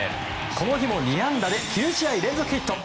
この日も２安打で９試合連続ヒット。